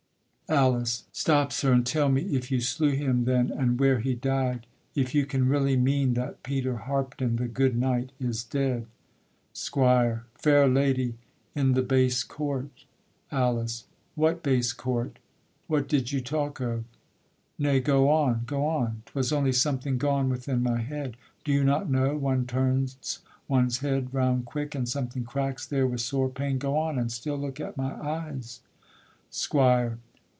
ALICE. Stop, sir, and tell me if you slew him then, And where he died, if you can really mean That Peter Harpdon, the good knight, is dead? SQUIRE. Fair lady, in the base court: ALICE. What base court? What do you talk of? Nay, go on, go on; 'Twas only something gone within my head: Do you not know, one turns one's head round quick, And something cracks there with sore pain? go on, And still look at my eyes. SQUIRE.